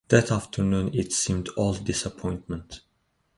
That afternoon it seemed all disappointment.